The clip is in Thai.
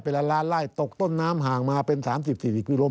เป็นแล้วไร่ตกต้นน้ำห่างมาเป็น๓๐๔๐กิโลเมตร